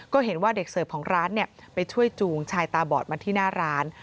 ก็เห็นว่าเด็กเสิร์ฟของร้านไปช่วยจูงชายตาบอดมาที่หน้าร้าน